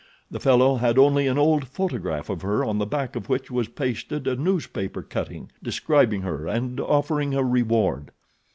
The fellow had only an old photograph of her on the back of which was pasted a newspaper cutting describing her and offering a reward.